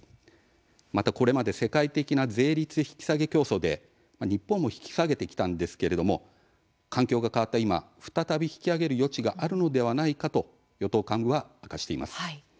また、これまで世界的な税率引き下げ競争で日本も引き下げてきたんですけれども環境が変わった今再び引き上げる余地があるのではないかと与党幹部は明かしています。